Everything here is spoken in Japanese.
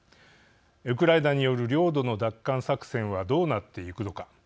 ウクライナによる領土の奪還作戦はどうなっていくのか。